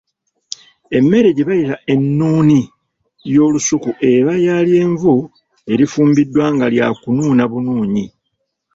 Emmere gye bayita ennuuni y’olusuku eba ya lyenvu erifumbiddwa nga lyakunuuna bunnunyi.